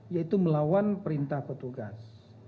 yaitu melawan perintah petugas